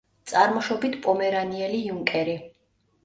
წარმოშობით პომერანიელი იუნკერი.